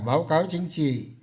báo cáo chính trị